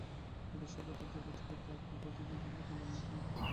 আদর্শবাদের জগৎ হইতে আপনি প্রতিদিনের কর্মক্ষেত্রে নামিয়া আসিলেন।